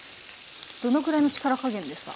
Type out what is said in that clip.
どのぐらいの力加減ですか？